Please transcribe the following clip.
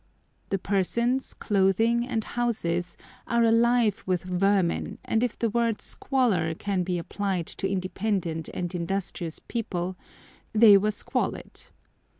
The persons, clothing, and houses are alive with vermin, and if the word squalor can be applied to independent and industrious people, they were squalid.